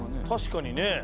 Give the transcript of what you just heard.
確かにね。